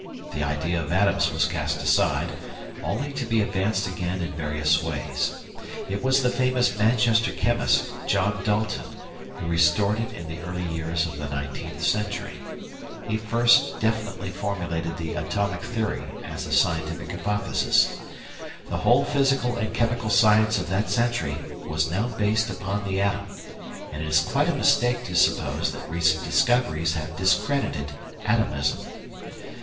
The idea of atoms was cast aside, only to be advanced again in various ways. It was the famous Manchester chemist, John Dalton, who restored it in the early years of the nineteenth century. He first definitely formulated the atomic theory as a scientific hypothesis. The whole physical and chemical science of that century was now based upon the atom, and it is quite a mistake to suppose that recent discoveries have discredited "atomism."